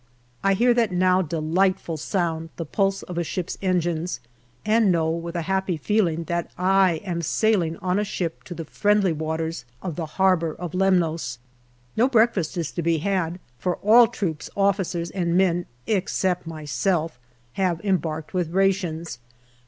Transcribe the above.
I hear that now delightful sound, the pulse of ship's engines, and know, with a happy feeling, that I am sailing on a ship to the friendly waters of the harbour of Lemnos. No breakfast is to be had, for all troops, officers and men, except myself, have embarked with rations.